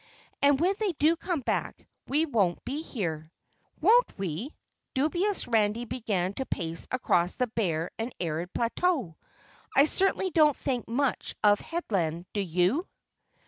And when they do come back, we won't be here." "Won't we?" Dubiously Randy began to pace across the bare and arid plateau. "I certainly don't think much of Headland, do you?"